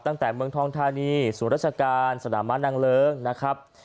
ตั้งแต่เมืองทองธานีสวรรษการสนามหลวงนะครับ